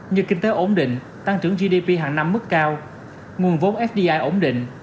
như kinh tế ổn định tăng trưởng gdp hàng năm mức cao nguồn vốn fdi ổn định